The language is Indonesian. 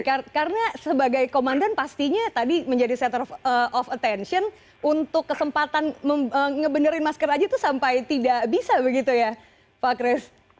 karena sebagai komandan pastinya tadi menjadi center of attention untuk kesempatan ngebenerin masker aja tuh sampai tidak bisa begitu ya pak chris